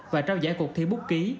và trao giải cuộc thi búc ký